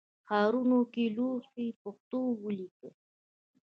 ښارونو کې لوحې پښتو ولیکئ